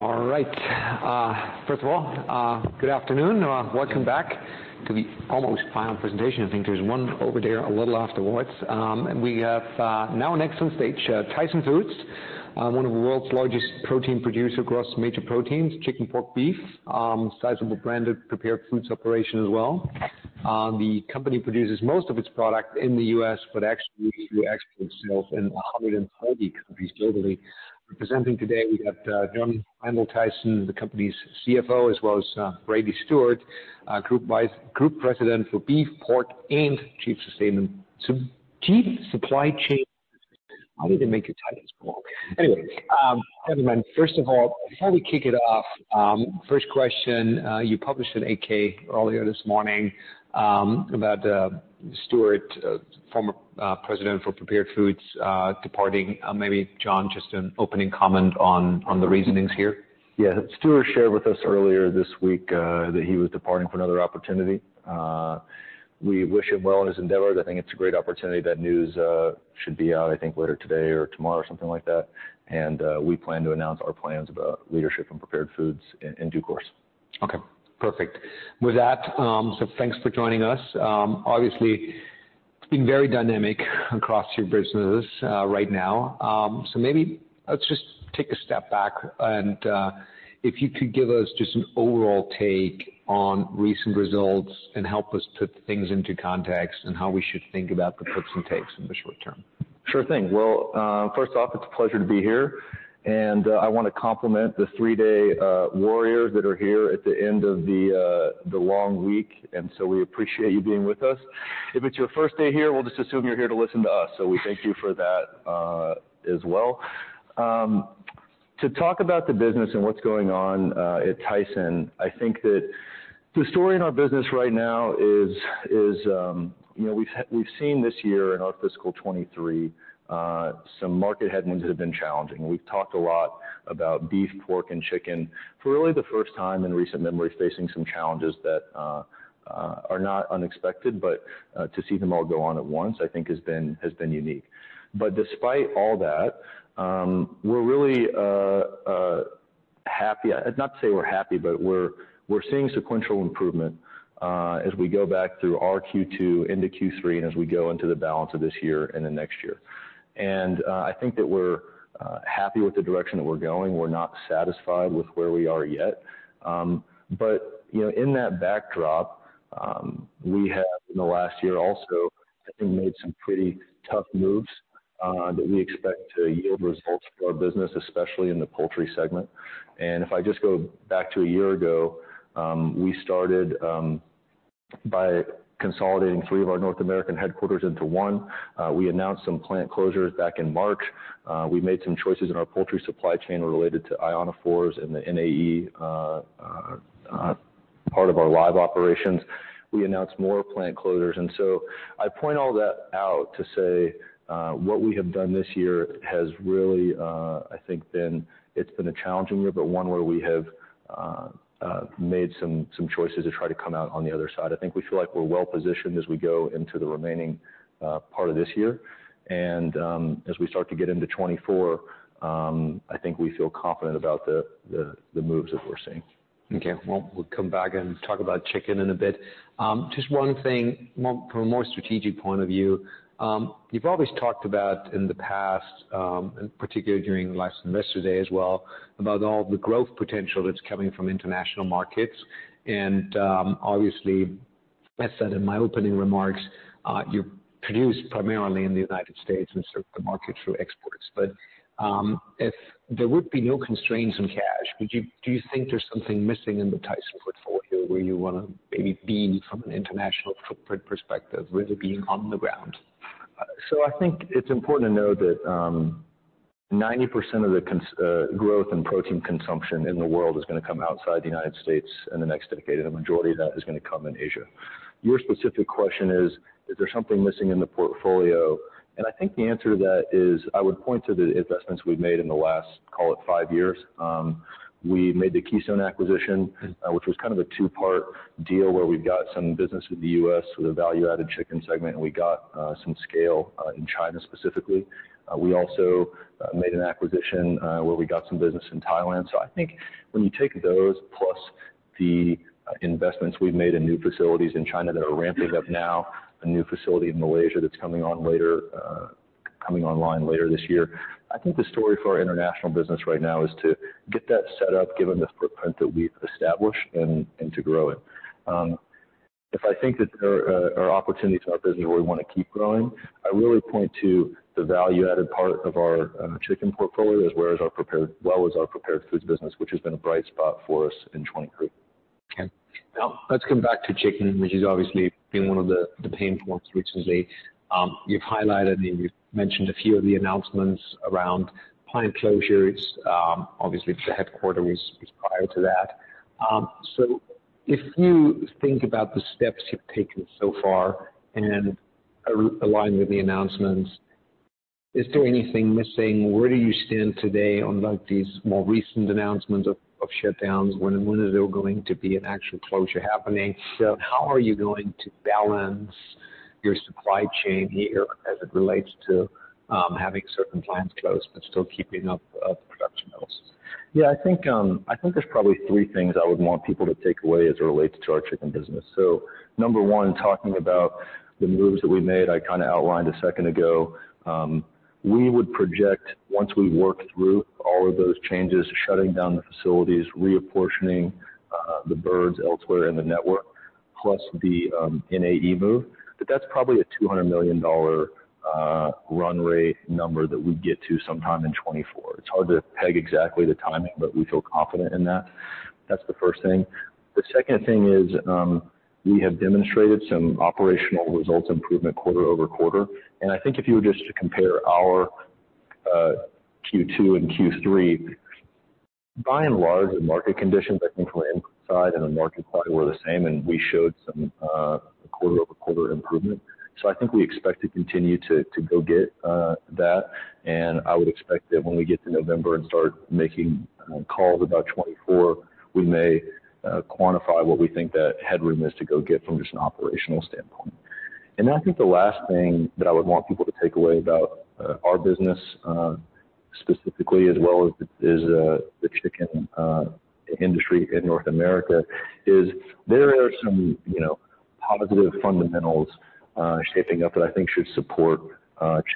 All right. First of all, good afternoon. Welcome back to the almost final presentation. I think there's one over there, a little afterwards. And we have now next on stage, Tyson Foods, one of the world's largest protein producer across major proteins: chicken, pork, beef, sizable branded prepared foods operation as well. The company produces most of its product in the U.S., but actually we export sales in 130 countries globally. Representing today, we have John Randal Tyson, the company's CFO, as well as Brady Stewart, Group Vice—Group President for Beef, Pork, and Chief Supply Chain. How did they make the title so long? Anyway, never mind. First of all, before we kick it off, first question, you published an 8-K earlier this morning about Stewart, former President for Prepared Foods, departing. Maybe, John, just an opening comment on the reasonings here. Yeah. Stewart shared with us earlier this week that he was departing for another opportunity. We wish him well in his endeavors. I think it's a great opportunity. That news should be out, I think, later today or tomorrow, or something like that, and we plan to announce our plans about leadership and prepared foods in due course. Okay, perfect. With that, so thanks for joining us. Obviously, it's been very dynamic across your businesses, right now. So maybe let's just take a step back and, if you could give us just an overall take on recent results and help us put things into context, and how we should think about the puts and takes in the short term. Sure thing. Well, first off, it's a pleasure to be here, and, I wanna compliment the three-day warriors that are here at the end of the long week, and so we appreciate you being with us. If it's your first day here, we'll just assume you're here to listen to us, so we thank you for that, as well. To talk about the business and what's going on at Tyson, I think that the story in our business right now is, you know, we've seen this year in our fiscal 2023 some market headwinds that have been challenging. We've talked a lot about beef, pork, and chicken, for really the first time in recent memory, facing some challenges that are not unexpected, but to see them all go on at once, I think has been unique. But despite all that, we're really happy… Not to say we're happy, but we're seeing sequential improvement as we go back through our Q2 into Q3, and as we go into the balance of this year and the next year. I think that we're happy with the direction that we're going. We're not satisfied with where we are yet. But you know, in that backdrop, we have, in the last year also, I think, made some pretty tough moves that we expect to yield results for our business, especially in the poultry segment. If I just go back to a year ago, we started by consolidating three of our North American headquarters into one. We announced some plant closures back in March. We made some choices in our poultry supply chain related to ionophores and the NAE part of our live operations. We announced more plant closures. So I point all that out to say, what we have done this year has really, I think been, it's been a challenging year, but one where we have made some, some choices to try to come out on the other side. I think we feel like we're well positioned as we go into the remaining part of this year. As we start to get into 2024, I think we feel confident about the, the, the moves that we're seeing. Okay. Well, we'll come back and talk about chicken in a bit. Just one thing, from a more strategic point of view. You've always talked about in the past, and particularly during last Investor Day as well, about all the growth potential that's coming from international markets. Obviously, I said in my opening remarks, you produce primarily in the United States and serve the market through exports. But if there would be no constraints on cash, do you think there's something missing in the Tyson portfolio where you wanna maybe be from an international footprint perspective, rather being on the ground? I think it's important to note that 90% of the growth in protein consumption in the world is gonna come outside the United States in the next decade, and the majority of that is gonna come in Asia. Your specific question is: Is there something missing in the portfolio? I think the answer to that is, I would point to the investments we've made in the last, call it, five years. We made the Keystone acquisition, which was kind of a two-part deal where we got some business in the U.S. with a value-added chicken segment, and we got some scale in China specifically. We also made an acquisition where we got some business in Thailand. So I think when you take those, plus the investments we've made in new facilities in China that are ramping up now, a new facility in Malaysia that's coming on later, coming online later this year, I think the story for our international business right now is to get that set up, given the footprint that we've established, and to grow it. If I think that there are opportunities in our business where we wanna keep growing, I really point to the value-added part of our chicken portfolio, as well as our prepared foods business, which has been a bright spot for us in 2023. Okay. Now, let's come back to chicken, which has obviously been one of the pain points recently. You've highlighted and you've mentioned a few of the announcements around plant closures, obviously, the headquarters was prior to that. So if you think about the steps you've taken so far and aligned with the announcements, is there anything missing? Where do you stand today on, like, these more recent announcements of shutdowns? When is there going to be an actual closure happening? So how are you going to balance your supply chain here as it relates to having certain plants closed, but still keeping up production levels? Yeah, I think, I think there's probably three things I would want people to take away as it relates to our chicken business. So number one, talking about the moves that we made, I kinda outlined a second ago. We would project, once we work through all of those changes, shutting down the facilities, reapportioning, the birds elsewhere in the network, plus the, NAE move, that that's probably a $200 million run rate number that we'd get to sometime in 2024. It's hard to peg exactly the timing, but we feel confident in that. That's the first thing. The second thing is, we have demonstrated some operational results improvement quarter-over-quarter, and I think if you were just to compare our, Q2 and Q3, by and large, the market conditions, I think, were inside and the market probably were the same, and we showed some, quarter-over-quarter improvement. So I think we expect to continue to, to go get, that, and I would expect that when we get to November and start making, calls about 2024, we may, quantify what we think that headroom is to go get from just an operational standpoint. I think the last thing that I would want people to take away about our business, specifically, as well as the chicken industry in North America, is there are some, you know, positive fundamentals shaping up that I think should support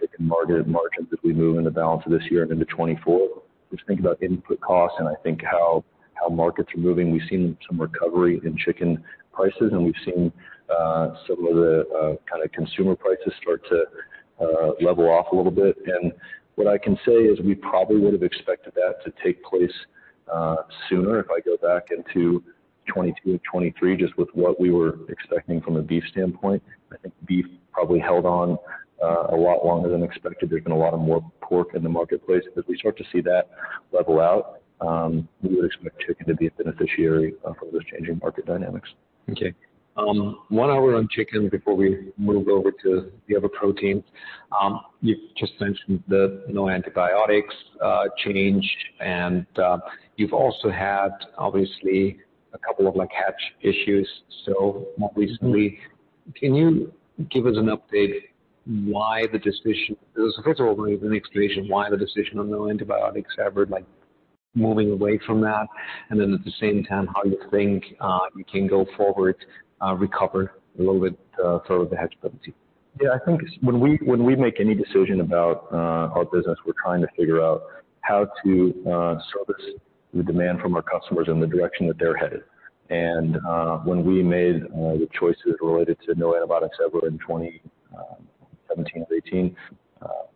chicken market and margins as we move in the balance of this year and into 2024. Just think about input costs, and I think how markets are moving. We've seen some recovery in chicken prices, and we've seen some of the, you know, consumer prices start to level off a little bit. What I can say is we probably would have expected that to take place sooner. If I go back into 2022, 2023, just with what we were expecting from a beef standpoint, I think beef probably held on a lot longer than expected. There's been a lot of more pork in the marketplace. As we start to see that level out, we would expect chicken to be a beneficiary of those changing market dynamics. Okay. One hour on chicken before we move over to the other proteins. You just mentioned the No Antibiotics Ever change, and you've also had, obviously, a couple of, like, hatch issues so more recently. Can you give us an update why the decision—first of all, an explanation why the decision on No Antibiotics Ever, like, moving away from that, and then at the same time, how you think you can go forward, recover a little bit, for the hatchability? Yeah, I think when we make any decision about our business, we're trying to figure out how to service the demand from our customers in the direction that they're headed. And when we made the choices related to No Antibiotics Ever in 2017 or 2018,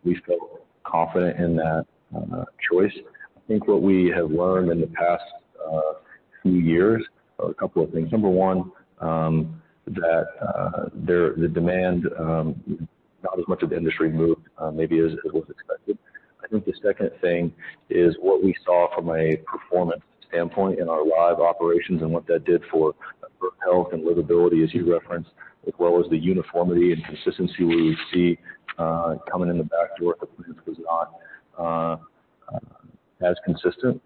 we felt confident in that choice. I think what we have learned in the past few years, a couple of things. Number one, that the demand not as much of the industry moved maybe as was expected. I think the second thing is what we saw from a performance standpoint in our live operations and what that did for health and livability, as you referenced, as well as the uniformity and consistency we would see coming in the back door, perhaps, was not as consistent.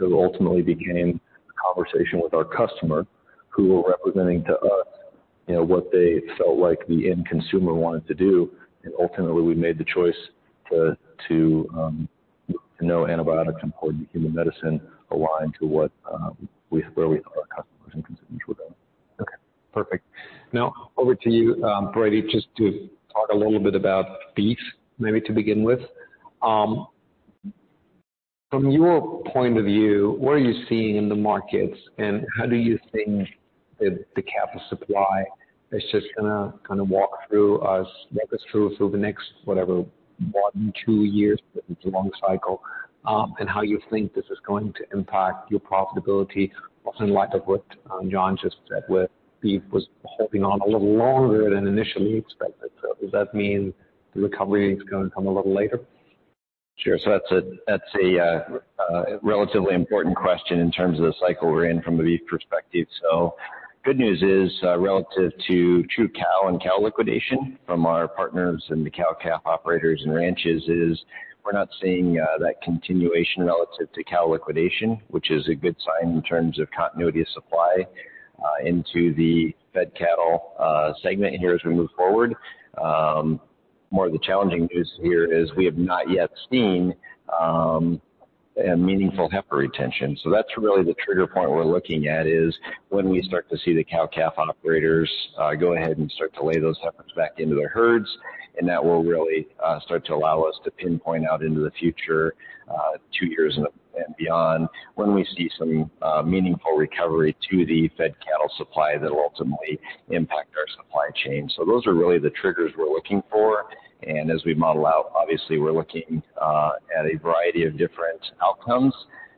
Ultimately became a conversation with our customer, who were representing to us, you know, what they felt like the end consumer wanted to do, and ultimately, we made the choice to No Antibiotics Important to Human Medicine, aligned to what we, where we thought our customers and consumers were going. Okay, perfect. Now, over to you, Brady, just to talk a little bit about beef, maybe to begin with. From your point of view, what are you seeing in the markets, and how do you think the, the cattle supply is just gonna kinda walk through us, walk us through for the next, whatever, one, two years, it's a long cycle, and how you think this is going to impact your profitability, also in light of what, John just said, where beef was holding on a little longer than initially expected. So does that mean the recovery is gonna come a little later? Sure. So that's a relatively important question in terms of the cycle we're in from the beef perspective. So good news is, relative to true cow and cow liquidation from our partners and the cow-calf operators and ranches is we're not seeing, that continuation relative to cow liquidation, which is a good sign in terms of continuity of supply, into the fed cattle, segment here as we move forward. More of the challenging news here is we have not yet seen, a meaningful heifer retention. So that's really the trigger point we're looking at, is when we start to see the cow-calf operators go ahead and start to lay those heifers back into their herds, and that will really start to allow us to pinpoint out into the future two years and beyond, when we see some meaningful recovery to the fed cattle supply that will ultimately impact our supply chain. So those are really the triggers we're looking for. And as we model out, obviously, we're looking at a variety of different outcomes,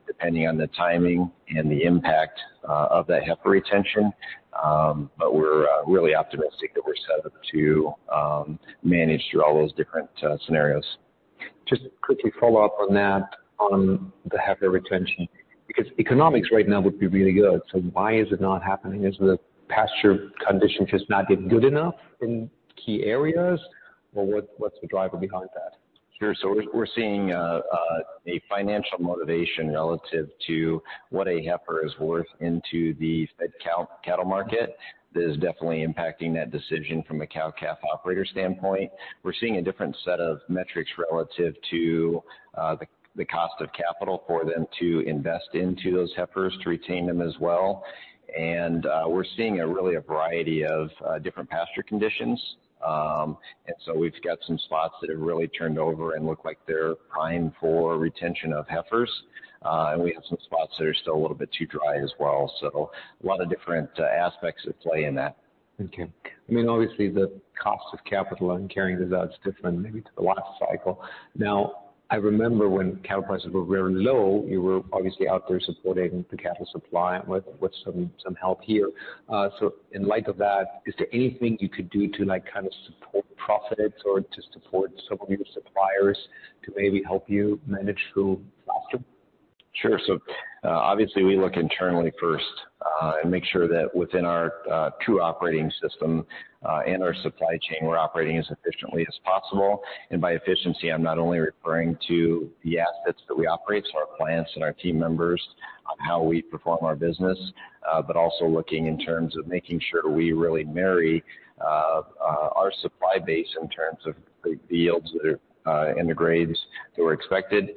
depending on the timing and the impact of that heifer retention. But we're really optimistic that we're set up to manage through all those different scenarios. Just quickly follow up on that, on the heifer retention, because economics right now would be really good, so why is it not happening? Is the pasture condition just not yet good enough in key areas, or what, what's the driver behind that?... Sure. So we're seeing a financial motivation relative to what a heifer is worth into the cattle market. That is definitely impacting that decision from a cow-calf operator standpoint. We're seeing a different set of metrics relative to the cost of capital for them to invest into those heifers, to retain them as well. And we're seeing really a variety of different pasture conditions. And so we've got some spots that have really turned over and look like they're prime for retention of heifers. And we have some spots that are still a little bit too dry as well, so a lot of different aspects at play in that. Okay. I mean, obviously, the cost of capital and carrying those out is different maybe to the last cycle. Now, I remember when cow prices were very low, you were obviously out there supporting the cattle supply with some help here. So in light of that, is there anything you could do to, like, kind of support profits or to support some of your suppliers to maybe help you manage through the pasture? Sure. So, obviously, we look internally first, and make sure that within our two operating systems and our supply chain, we're operating as efficiently as possible. And by efficiency, I'm not only referring to the assets that we operate, so our plants and our team members, on how we perform our business, but also looking in terms of making sure we really marry our supply base in terms of the yields that are and the grades that were expected,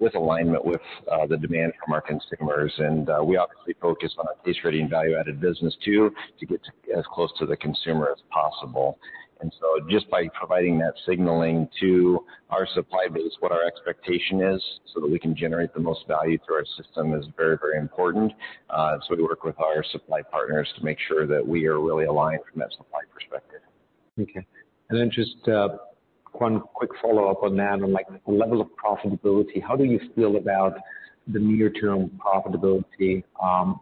with alignment with the demand from our consumers. And we obviously focus on our case-ready and value-added business too, to get as close to the consumer as possible. And so just by providing that signaling to our supply base, what our expectation is, so that we can generate the most value through our system, is very, very important. We work with our supply partners to make sure that we are really aligned from that supply perspective. Okay. And then just, one quick follow-up on that. On, like, the level of profitability, how do you feel about the near-term profitability,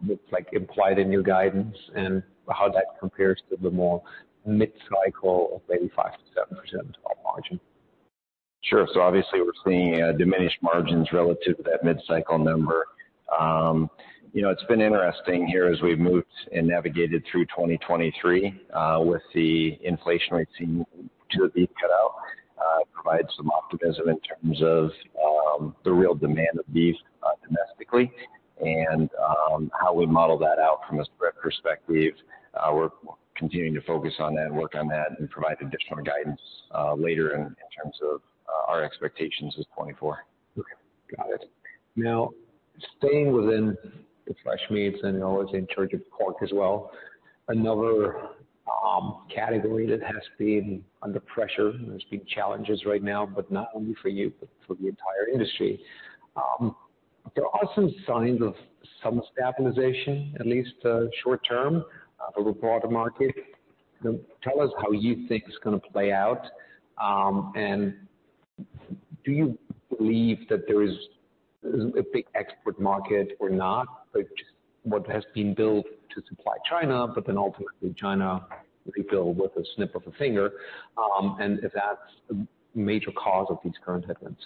that's, like, implied in your guidance, and how that compares to the more mid-cycle, maybe 5%-7% margin? Sure. So obviously, we're seeing diminished margins relative to that mid-cycle number. You know, it's been interesting here as we've moved and navigated through 2023, with the inflation rate seeming to be cut out, provided some optimism in terms of the real demand of beef domestically, and how we model that out from a spread perspective. We're continuing to focus on that and work on that and provide additional guidance later in terms of our expectations with 2024. Okay, got it. Now, staying within the fresh meats, and I know it's in charge of pork as well, another category that has been under pressure, there's been challenges right now, but not only for you, but for the entire industry. There are some signs of some stabilization, at least, short term, for the broader market. Tell us how you think it's gonna play out, and do you believe that there is a big export market or not? Like what has been built to supply China, but then ultimately China, you could build with a snip of a finger, and if that's a major cause of these current headwinds.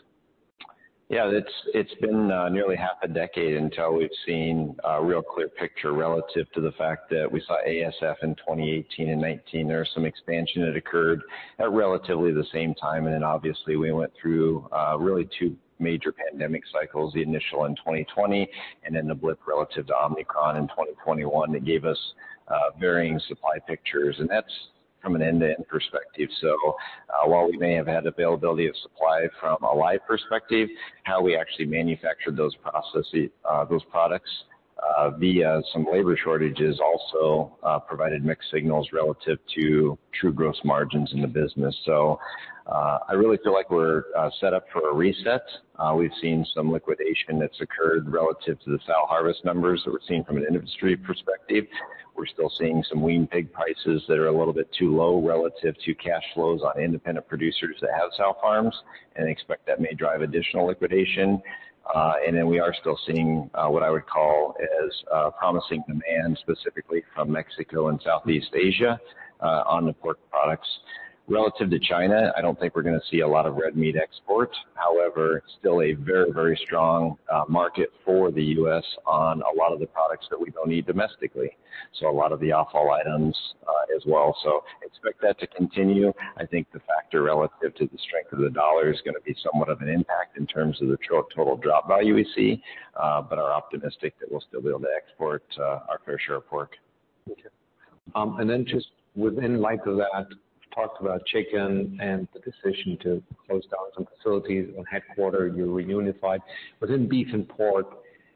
Yeah, it's, it's been nearly half a decade until we've seen a real clear picture relative to the fact that we saw ASF in 2018 and 2019. There was some expansion that occurred at relatively the same time, and then obviously we went through really two major pandemic cycles, the initial in 2020, and then the blip relative to Omicron in 2021, that gave us varying supply pictures. And that's from an end-to-end perspective. So, while we may have had availability of supply from a live perspective, how we actually manufactured those products via some labor shortages also provided mixed signals relative to true gross margins in the business. So, I really feel like we're set up for a reset. We've seen some liquidation that's occurred relative to the sow harvest numbers that we're seeing from an industry perspective. We're still seeing some wean pig prices that are a little bit too low relative to cash flows on independent producers that have sow farms, and expect that may drive additional liquidation. And then we are still seeing what I would call as promising demand, specifically from Mexico and Southeast Asia, on the pork products. Relative to China, I don't think we're gonna see a lot of red meat exports. However, still a very, very strong market for the U.S. on a lot of the products that we don't need domestically, so a lot of the offal items, as well. So expect that to continue. I think the factor relative to the strength of the U.S. dollar is gonna be somewhat of an impact in terms of the total drop value we see, but are optimistic that we'll still be able to export our fair share of pork. Okay. And then just in light of that, talked about chicken and the decision to close down some facilities. On headquarters, you reunified. Within beef and pork,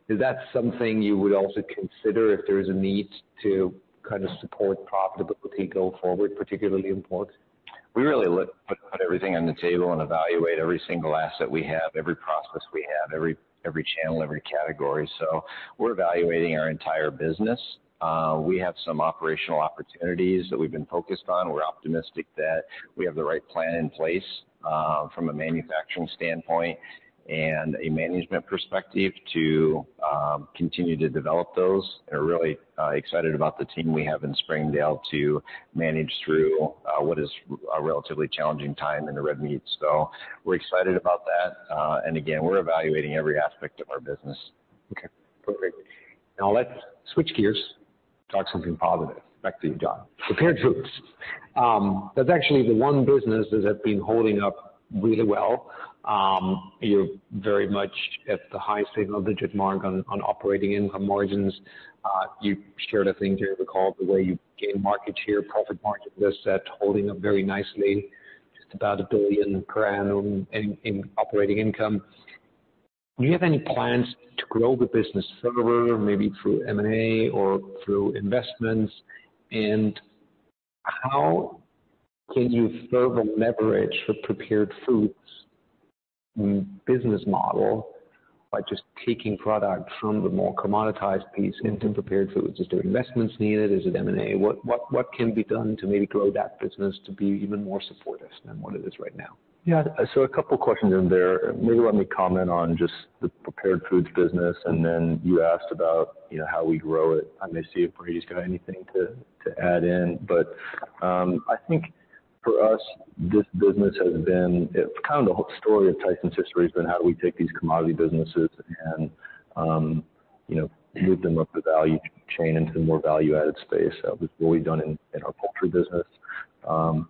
is that something you would also consider if there is a need to kind of support profitability going forward, particularly in pork? We really put everything on the table and evaluate every single asset we have, every process we have, every channel, every category. So we're evaluating our entire business. We have some operational opportunities that we've been focused on. We're optimistic that we have the right plan in place, from a manufacturing standpoint and a management perspective, to continue to develop those. And we're really excited about the team we have in Springdale to manage through what is a relatively challenging time in the red meats. So we're excited about that. And again, we're evaluating every aspect of our business. Okay, perfect. Now let's switch gears... Talk something positive, back to you, John. Prepared foods, that's actually the one business that has been holding up really well. You're very much at the high single-digit mark on operating income margins. You shared, I think, if I recall, the way you gain market share, profit market share set, holding up very nicely, just about $1 billion per annum in operating income. Do you have any plans to grow the business further, maybe through M&A or through investments? And how can you further leverage the prepared foods business model by just taking product from the more commoditized piece into prepared foods? Is there investments needed? Is it M&A? What can be done to maybe grow that business to be even more supportive than what it is right now? Yeah, I saw a couple questions in there. Maybe let me comment on just the prepared foods business, and then you asked about, you know, how we grow it. I may see if Brady's got anything to add in. But, I think for us, this business has been... It's kind of the whole story of Tyson's history, has been how do we take these commodity businesses and, you know, move them up the value chain into the more value-added space. That was what we've done in our poultry business. Our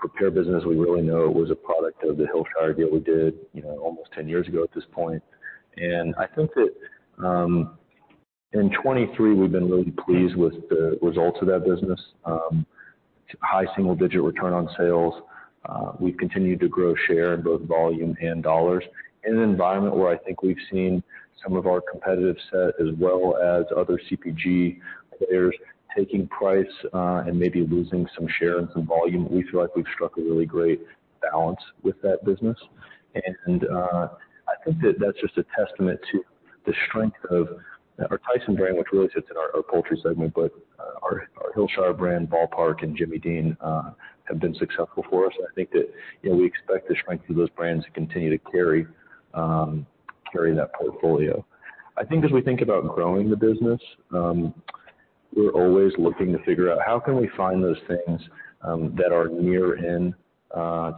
prepared business, we really know it was a product of the Hillshire deal we did, you know, almost 10 years ago at this point. And I think that, in 2023, we've been really pleased with the results of that business. High single-digit return on sales. We've continued to grow share in both volume and dollars in an environment where I think we've seen some of our competitive set, as well as other CPG players, taking price, and maybe losing some share and some volume. We feel like we've struck a really great balance with that business. And, I think that that's just a testament to the strength of our Tyson brand, which really sits in our poultry segment. But, our Hillshire brand, Ball Park and Jimmy Dean, have been successful for us. I think that, you know, we expect the strength of those brands to continue to carry that portfolio. I think as we think about growing the business, we're always looking to figure out how can we find those things that are near in,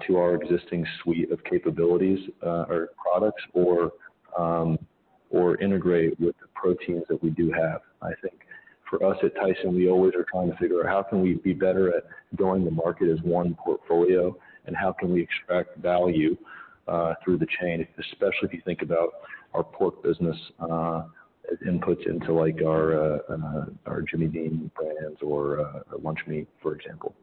to our existing suite of capabilities, or products, or, or integrate with the proteins that we do have. I think for us at Tyson, we always are trying to figure out how can we be better at going to market as one portfolio, and how can we extract value through the chain, especially if you think about our pork business as inputs into, like, our, our Jimmy Dean brands or, our lunch meat, for example.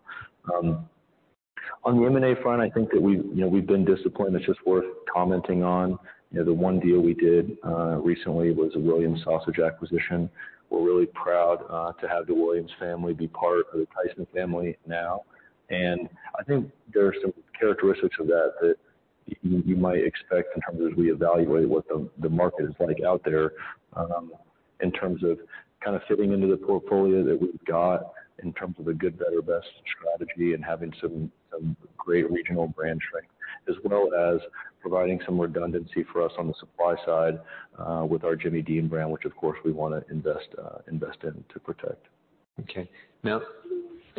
On the M&A front, I think that we've, you know, we've been disciplined. It's just worth commenting on. You know, the one deal we did, recently was a Williams Sausage acquisition. We're really proud to have the Williams family be part of the Tyson family now, and I think there are some characteristics of that, that you, you might expect in terms of as we evaluate what the, the market is like out there in terms of kind of fitting into the portfolio that we've got, in terms of a good, better, best strategy and having some, some great regional brand strength. As well as providing some redundancy for us on the supply side with our Jimmy Dean brand, which of course, we want to invest, invest in to protect. Okay. Now,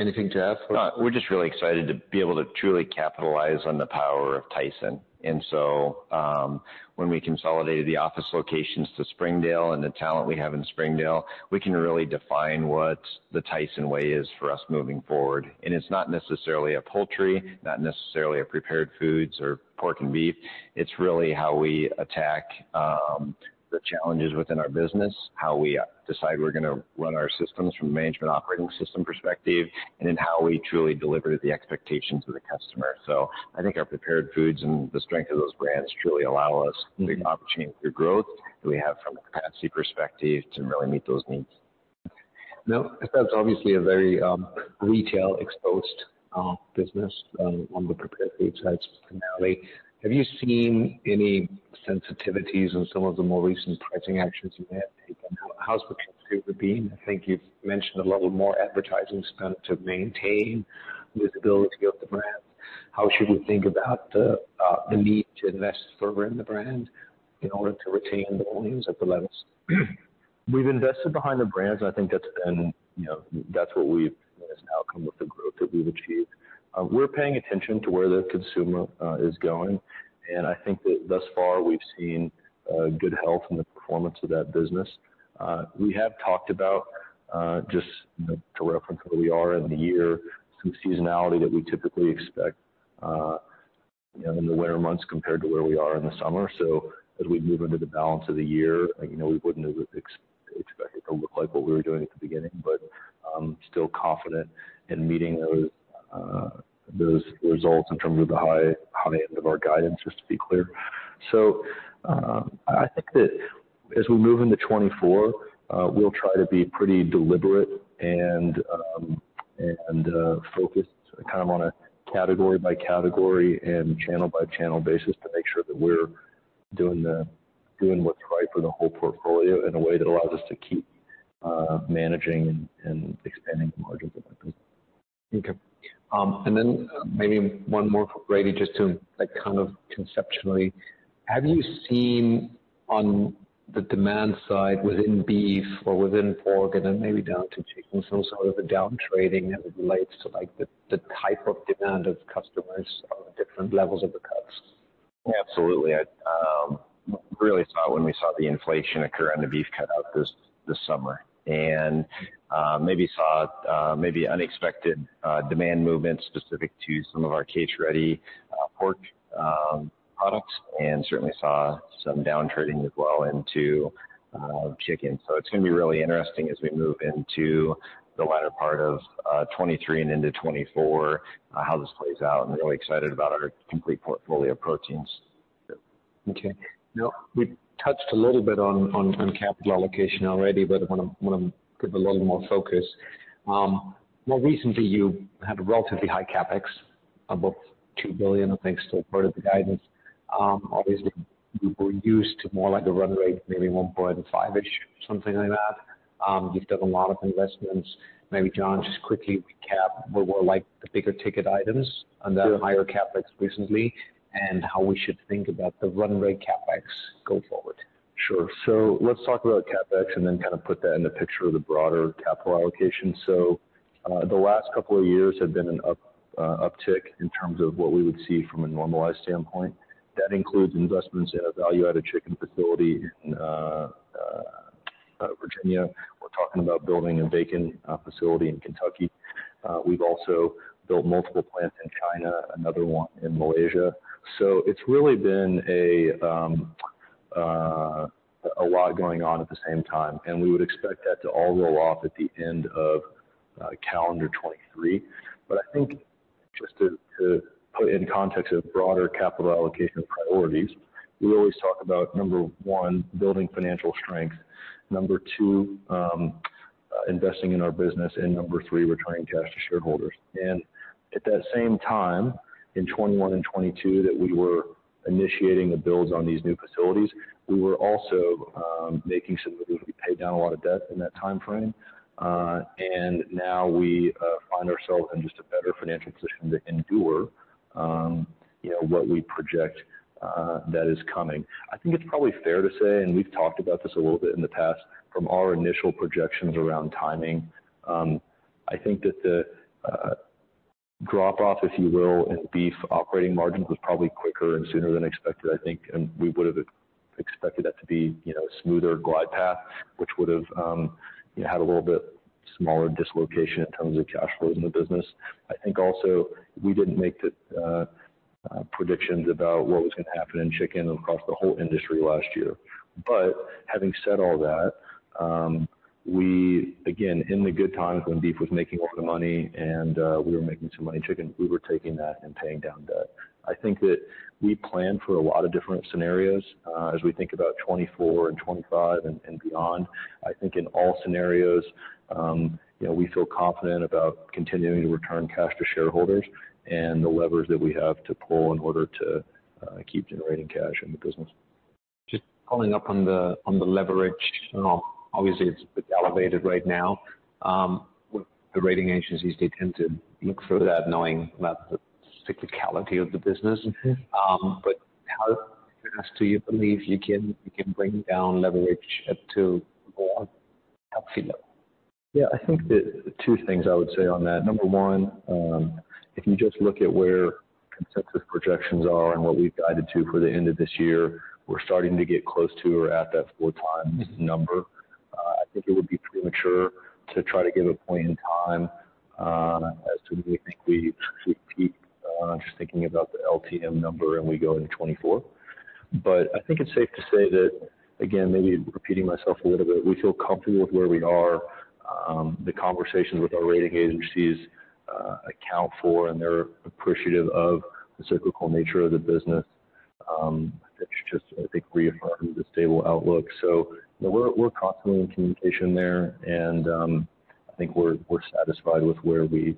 anything to add? We're just really excited to be able to truly capitalize on the power of Tyson. And so, when we consolidated the office locations to Springdale and the talent we have in Springdale, we can really define what the Tyson way is for us moving forward. And it's not necessarily a poultry, not necessarily a prepared foods or pork and beef. It's really how we attack the challenges within our business, how we decide we're going to run our systems from a management operating system perspective, and then how we truly deliver the expectations of the customer. So I think our prepared foods and the strength of those brands truly allow us- Mm-hmm. the opportunity for growth that we have from a capacity perspective to really meet those needs. Now, that's obviously a very, retail exposed, business, on the prepared foods side, finally. Have you seen any sensitivities in some of the more recent pricing actions you have taken? How, how's the consumer been? I think you've mentioned a level of more advertising spend to maintain visibility of the brand. How should we think about the, the need to invest further in the brand in order to retain volumes at the levels? We've invested behind the brands. I think that's been, you know, that's what we've as an outcome with the growth that we've achieved. We're paying attention to where the consumer is going, and I think that thus far, we've seen good health in the performance of that business. We have talked about just to reference where we are in the year, some seasonality that we typically expect, you know, in the winter months compared to where we are in the summer. So as we move into the balance of the year, you know, we wouldn't have expected it to look like what we were doing at the beginning, but still confident in meeting those, those results in terms of the high, high end of our guidance, just to be clear. So, I think that as we move into 2024, we'll try to be pretty deliberate and focused kind of on a category by category and channel by channel basis, to make sure that we're doing what's right for the whole portfolio in a way that allows us to keep managing and expanding margins of the business. Okay. And then maybe one more for Brady, just to, like, kind of conceptually, have you seen on the demand side, within beef or within pork, and then maybe down to chicken, some sort of a downtrading as it relates to, like, the, the type of demand of customers on different levels of the cuts? Absolutely, uh-... really saw when we saw the inflation occur on the beef cutout this, this summer. And, maybe saw, maybe unexpected, demand movement specific to some of our case-ready, pork, products, and certainly saw some downtrending as well into, chicken. So it's going to be really interesting as we move into the latter part of, 2023 and into 2024, how this plays out. I'm really excited about our complete portfolio of proteins. Okay. Now, we touched a little bit on capital allocation already, but I want to give a little more focus. More recently, you had a relatively high CapEx, about $2 billion, I think, still part of the guidance. Obviously, we're used to more like a run rate, maybe $1.5 billion-ish, something like that. You've done a lot of investments. Maybe, John, just quickly recap what were, like, the bigger ticket items on that higher CapEx recently, and how we should think about the run rate CapEx going forward. Sure. So let's talk about CapEx and then kind of put that in the picture of the broader capital allocation. So, the last couple of years have been an uptick in terms of what we would see from a normalized standpoint. That includes investments in a value-added chicken facility in Virginia. We're talking about building a bacon facility in Kentucky. We've also built multiple plants in China, another one in Malaysia. So it's really been a lot going on at the same time, and we would expect that to all roll off at the end of calendar 2023. But I think just to put in context of broader capital allocation priorities, we always talk about, number one, building financial strength, number two, investing in our business, and number three, returning cash to shareholders. And at that same time, in 2021 and 2022, that we were initiating the builds on these new facilities, we were also making some moves. We paid down a lot of debt in that time frame. And now we find ourselves in just a better financial position to endure, you know, what we project that is coming. I think it's probably fair to say, and we've talked about this a little bit in the past, from our initial projections around timing, I think that the drop-off, if you will, in beef operating margins was probably quicker and sooner than expected, I think, and we would have expected that to be, you know, a smoother glide path, which would have, you know, had a little bit smaller dislocation in terms of cash flow in the business. I think also we didn't make the predictions about what was going to happen in chicken across the whole industry last year. But having said all that, we—again, in the good times when beef was making a lot of money and we were making some money in chicken, we were taking that and paying down debt. I think that we plan for a lot of different scenarios, as we think about 2024 and 2025 and beyond. I think in all scenarios, you know, we feel confident about continuing to return cash to shareholders and the levers that we have to pull in order to keep generating cash in the business. Just following up on the leverage. Obviously, it's a bit elevated right now. The rating agencies, they tend to look through that, knowing about the cyclicality of the business. Mm-hmm. But how fast do you believe you can bring down leverage up to a more healthy level? Yeah, I think that two things I would say on that. Number one, if you just look at where consensus projections are and what we've guided to for the end of this year, we're starting to get close to or at that 4x number. I think it would be premature to try to give a point in time as to when we think we should peak, just thinking about the LTM number, and we go into 2024. But I think it's safe to say that, again, maybe repeating myself a little bit, we feel comfortable with where we are. The conversations with our rating agencies account for and they're appreciative of the cyclical nature of the business. That just, I think, reaffirms the stable outlook. We're constantly in communication there, and I think we're satisfied with where we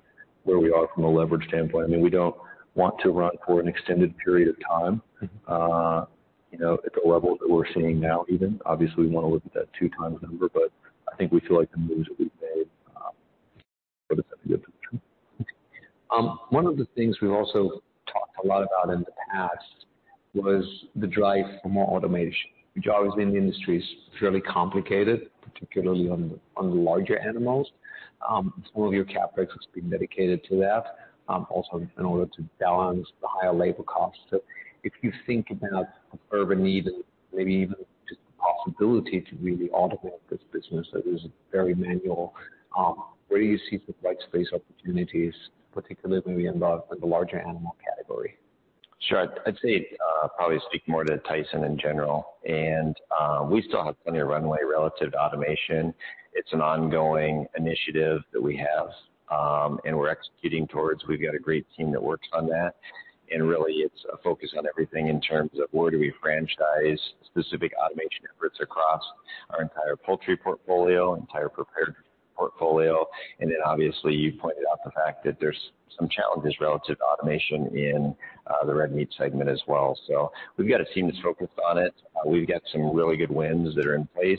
are from a leverage standpoint. I mean, we don't want to run for an extended period of time, you know, at the level that we're seeing now even. Obviously, we want to look at that two times number, but I think we feel like the moves that we've made put us in a good position. One of the things we've also talked a lot about in the past was the drive for more automation, which obviously in the industry is fairly complicated, particularly on the larger animals. Some of your CapEx has been dedicated to that, also in order to balance the higher labor costs. So if you think about urban need and maybe even just the possibility to really automate this business that is very manual, where do you see the right space opportunities, particularly in the larger animal category? Sure. I'd say, probably speak more to Tyson in general, and, we still have plenty of runway relative to automation. It's an ongoing initiative that we have, and we're executing towards. We've got a great team that works on that, and really, it's a focus on everything in terms of where do we franchise specific automation efforts across our entire poultry portfolio, entire prepared portfolio. And then obviously, you pointed out the fact that there's some challenges relative to automation in, the red meat segment as well. So we've got a team that's focused on it. We've got some really good wins that are in place.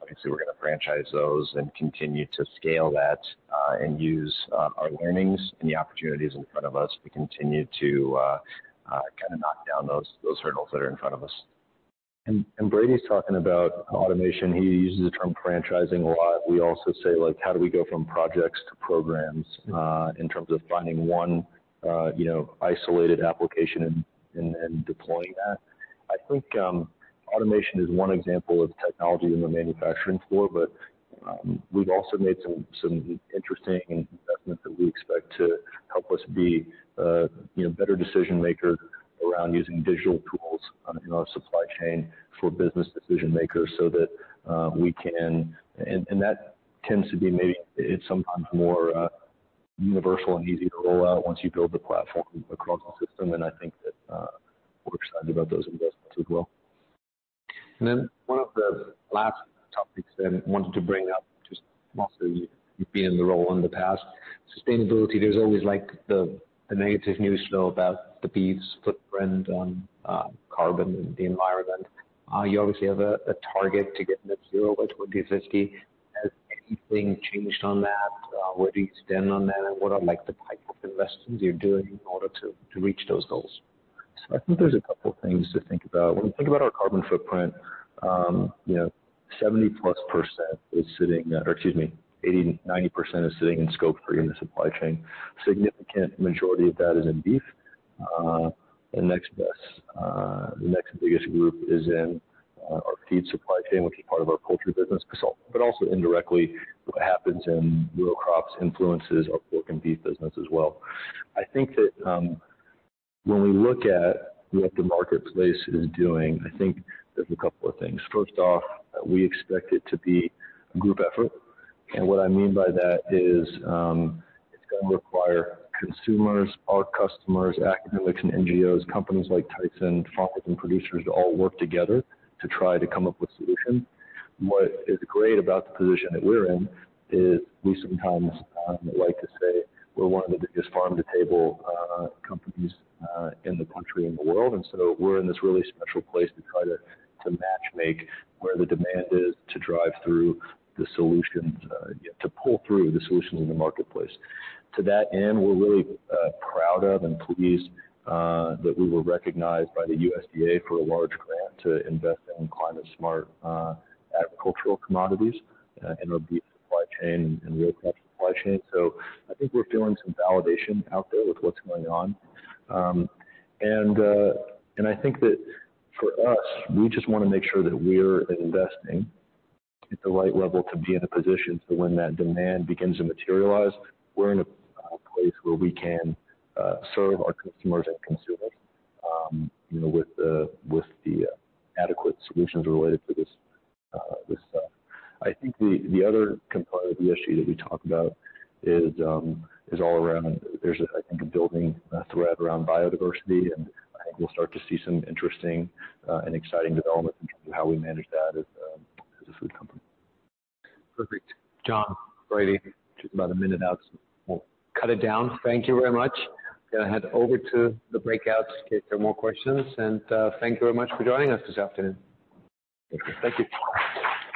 Obviously, we're going to franchise those and continue to scale that, and use our learnings and the opportunities in front of us to continue to kind of knock down those hurdles that are in front of us. And Brady's talking about automation. He uses the term franchising a lot. We also say, like, how do we go from projects to programs in terms of finding one you know isolated application and deploying that?... I think, automation is one example of technology in the manufacturing floor, but, we've also made some interesting investments that we expect to help us be, you know, better decision makers around using digital tools, in our supply chain for business decision makers so that we can-- And that tends to be maybe, it's sometimes more universal and easy to roll out once you build the platform across the system, and I think that, we're excited about those investments as well. And then one of the last topics that I wanted to bring up, just mostly you've been in the role in the past: sustainability. There's always, like, the negative news still about the beef's footprint on carbon and the environment. You obviously have a target to get net zero by 2050. Has anything changed on that? Where do you stand on that, and what are, like, the type of investments you're doing in order to reach those goals? So I think there's a couple things to think about. When you think about our carbon footprint, you know, 70%+ is sitting, or excuse me, 80%-90% is sitting in Scope 3 in the supply chain. Significant majority of that is in beef. The next best, the next biggest group is in, our feed supply chain, which is part of our poultry business. So, but also indirectly, what happens in row crops influences our pork and beef business as well. I think that, when we look at what the marketplace is doing, I think there's a couple of things. First off, we expect it to be a group effort, and what I mean by that is, it's gonna require consumers, our customers, academics, and NGOs, companies like Tyson, farmers, and producers to all work together to try to come up with solutions. What is great about the position that we're in is we sometimes like to say we're one of the biggest farm-to-table companies in the country, in the world. And so we're in this really special place to try to matchmake where the demand is, to drive through the solutions to pull through the solutions in the marketplace. To that end, we're really proud of and pleased that we were recognized by the USDA for a large grant to invest in climate smart agricultural commodities in our beef supply chain and row crop supply chain. So I think we're feeling some validation out there with what's going on. I think that for us, we just wanna make sure that we're investing at the right level to be in a position so when that demand begins to materialize, we're in a place where we can serve our customers and consumers, you know, with the adequate solutions related to this stuff. I think the other component of the issue that we talked about is all around. There's, I think, a building thread around biodiversity, and I think we'll start to see some interesting and exciting developments in terms of how we manage that as a food company. Perfect. John, Brady, just about a minute out, so we'll cut it down. Thank you very much. Gonna head over to the breakouts if there are more questions. And, thank you very much for joining us this afternoon. Thank you. Thank you.